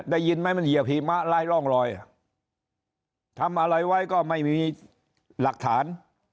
ได้ยินไหมมันเหยียบหิมะไร้ร่องรอยทำอะไรไว้ก็ไม่มีหลักฐาน